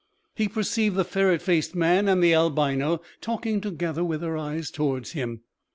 He perceived the ferret faced man and the albino talking together with their eyes towards him.